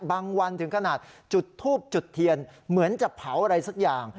วันถึงขนาดจุดทูบจุดเทียนเหมือนจะเผาอะไรสักอย่าง